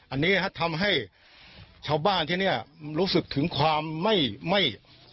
อันนี้ทำให้ชาวบ้านที่นี่รู้สึกถึงความไม่ไม่